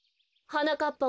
はなかっぱ？